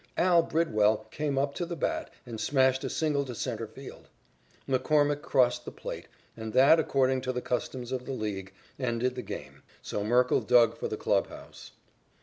"Al" Bridwell came up to the bat and smashed a single to centre field. McCormick crossed the plate, and that, according to the customs of the League, ended the game, so Merkle dug for the clubhouse.